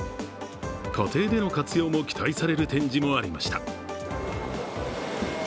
家庭での活用も期待される展示もありました。